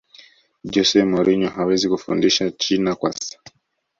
jose mourinho hawezi kufundisha china kwa sasa